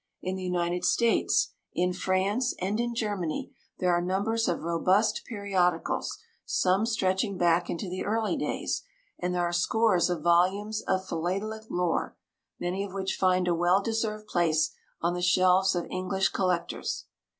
In the United States, in France, and in Germany there are numbers of robust periodicals, some stretching back into the early days, and there are scores of volumes of philatelic lore, many of which find a well deserved place on the shelves of English collectors.